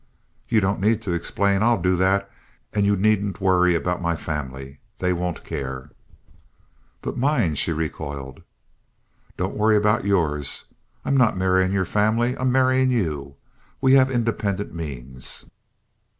"You don't need to explain. I'll do that. And you needn't worry about my family. They won't care." "But mine," she recoiled. "Don't worry about yours. I'm not marrying your family. I'm marrying you. We have independent means."